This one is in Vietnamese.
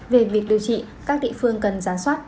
về việc điều trị các địa phương cần gián soát